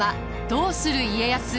「どうする家康」。